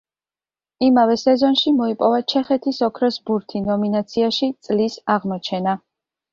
იმავე სეზონში მოიპოვა ჩეხეთის ოქროს ბურთი ნომინაციაში „წლის აღმოჩენა“.